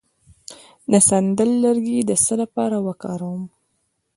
د سندل لرګی د څه لپاره وکاروم؟